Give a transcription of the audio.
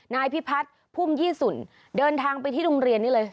นายพิพัฒน์พุ่มยี่สุนเดินทางไปที่โรงเรียนนี้เลย